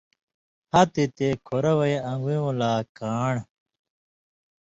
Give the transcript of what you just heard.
ہتہۡ یی تے کُھرہ وَیں ان٘گُویوں لا کان٘ڑ،